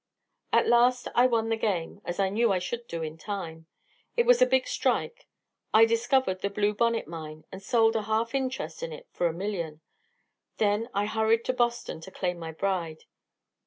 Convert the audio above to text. "At last I won the game, as I knew I should do in time. It was a big strike. I discovered the 'Blue Bonnet' mine, and sold a half interest in it for a million. Then I hurried to Boston to claim my bride....